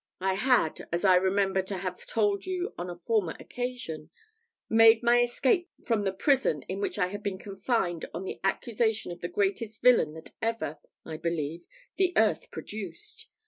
I had, as I remember to have told you on a former occasion, made my escape from the prison in which I had been confined on the accusation of the greatest villain that ever, I believe, the earth produced.